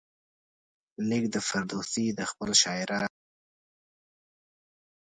لیک د فردوسي د خپل شاعرانه ذوق محصول دی.